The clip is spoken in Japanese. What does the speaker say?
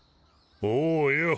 おうよ。